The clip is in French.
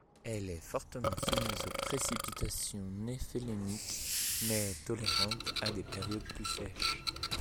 Elle est fortement soumise aux précipitations néphéléniques mais tolérante à des périodes plus sèches.